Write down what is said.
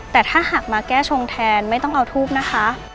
แต่ถ้าหากมาแก้ชงแทนไม่ต้องเอาทูบนะคะ